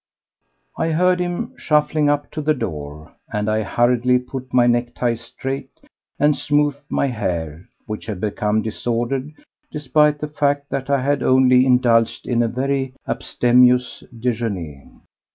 I heard him shuffling up to the door, and I hurriedly put my necktie straight and smoothed my hair, which had become disordered despite the fact that I had only indulged in a very abstemious déjeuner.